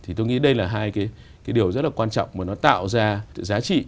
thì tôi nghĩ đây là hai cái điều rất là quan trọng mà nó tạo ra giá trị